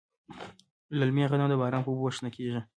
للمي غنم د باران په اوبو شنه کیږي.